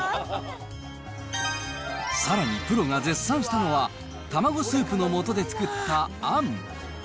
さらにプロが絶賛したのは卵スープのもとで作ったあん。